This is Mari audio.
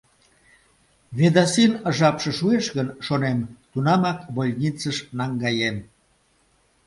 Ведасин жапше шуэш гын, шонем, тунамак больницыш наҥгаем.